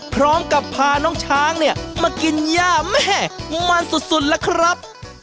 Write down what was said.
พร้อมกับพาน้องช้างเนี่ยมากินย่าแม่มันสุดล่ะครับ